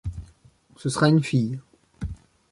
Ce sera une fille.